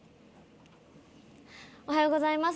おはようございます。